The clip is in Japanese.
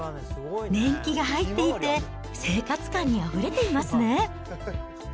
年季が入っていて、生活感にあふれていますね。